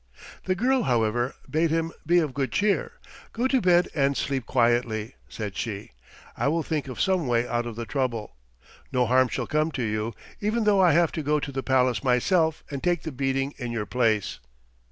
The girl, however, bade him be of good cheer. "Go to bed and sleep quietly," said she. "I will think of some way out of the trouble. No harm shall come to you, even though I have to go to the palace myself and take the beating in your place."